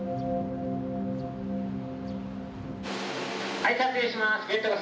はい撮影します。